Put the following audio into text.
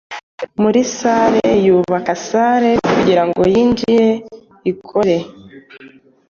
Muri salle yubaka salle kugirango yinjire ikore